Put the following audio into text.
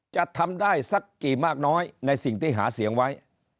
จะทำได้สักกี่มากน้อยในสิ่งที่หาเสียงไว้